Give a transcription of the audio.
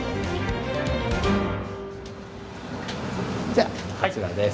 じゃあこちらです。